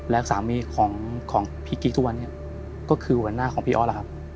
และสามีของพี่กิ๊กทุกวันนี้ก็คือหัวหน้าของพี่ออสล่ะครับ